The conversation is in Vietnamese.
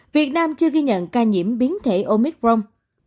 việt nam chưa ghi nhận ca nhiễm biến thể omicron